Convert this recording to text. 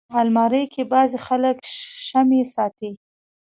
الماري کې بعضي خلک شمعې ساتي